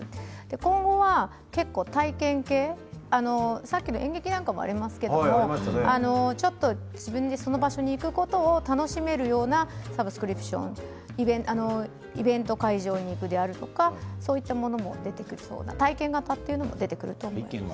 今後は体験系さっきの演劇もそうですけれど実際に、その場所に行くことを楽しめるようなサブスクリプションイベント会場に行くであるとかそういったものも出てきそうな体験型が出てくると思います。